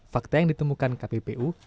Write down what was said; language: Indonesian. fakta yang ditemukan kpbu